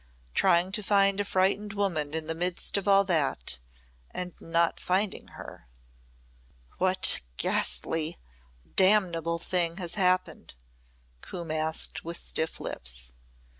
Trying to find a frightened woman in the midst of all that and not finding her " "What ghastly damnable thing has happened?" Coombe asked with stiff lips.